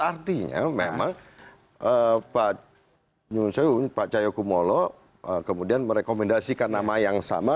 artinya memang pak cahyokumolo kemudian merekomendasikan nama yang sama